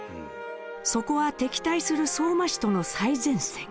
そこは敵対する相馬氏との最前線。